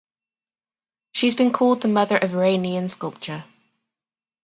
She has been called the Mother of Iranian sculpture.